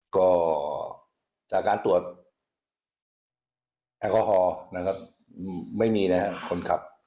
ก็จากการตรวจแอลกอฮอล์นะครับไม่มีนะครับคนขับ